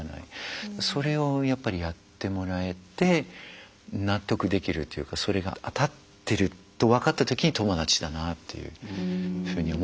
それをやっぱりやってもらえて納得できるというかそれが当たってると分かった時に友達だなというふうに思うんです。